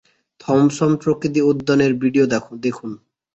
Thomson প্রকৃতি উদ্যানের video দেখুন